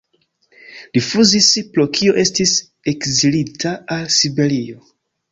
Rifuzis, pro kio estis ekzilita al Siberio.